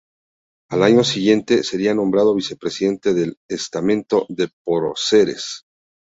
Al año siguiente, sería nombrado Vicepresidente del Estamento de Próceres.